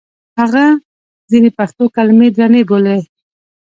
هغه ځینې پښتو کلمې درنې بولي.